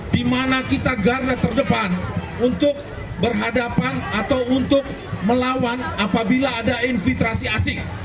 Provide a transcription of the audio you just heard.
di mana kita garda terdepan untuk berhadapan atau untuk melawan apabila ada infitrasi asing